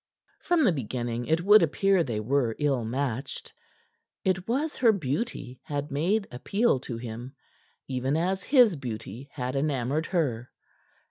From the beginning it would appear they were ill matched. It was her beauty had made appeal to him, even as his beauty had enamoured her.